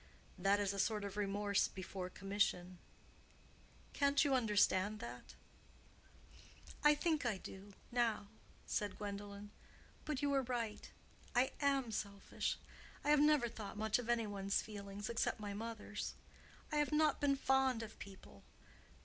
That is a sort of remorse before commission. Can't you understand that?" "I think I do—now," said Gwendolen. "But you were right—I am selfish. I have never thought much of any one's feelings, except my mother's. I have not been fond of people.